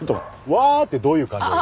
「わー」ってどういう感情よ？